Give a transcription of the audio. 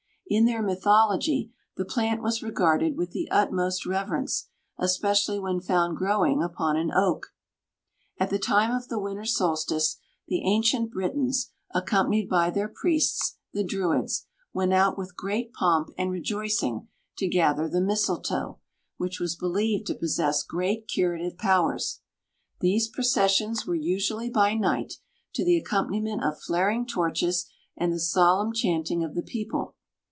In their mythology the plant was regarded with the utmost reverence, especially when found growing upon an oak. At the time of the winter solstice, the ancient Britons, accompanied by their priests, the Druids, went out with great pomp and rejoicing to gather the mistletoe, which was believed to possess great curative powers. These processions were usually by night, to the accompaniment of flaring torches and the solemn chanting of the people.